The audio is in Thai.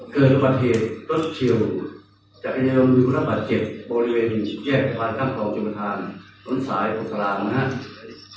เกิดปัจเทศรถเชิงจักรยังอยู่รับปัจเจ็บบริเวณ๑๑ภายข้างของจุมธานศาลงค์โธราณรัฐรี